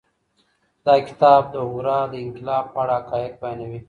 دا کتاب د هورا د انقلاب په اړه حقايق بيانوي.